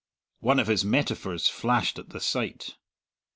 One of his metaphors flashed at the sight.